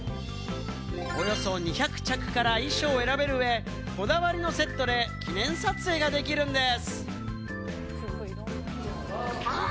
およそ２００着から衣装を選べる上、こだわりのセットで記念撮影ができるんです。